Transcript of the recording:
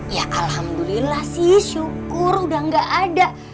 ya alhamdulillah sih syukur udah gak ada